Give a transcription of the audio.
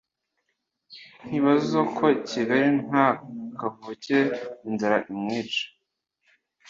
ntibazoko kigali nta kavukire inzara imwica